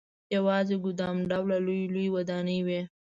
یوازې ګدام ډوله لويې لويې ودانۍ وې.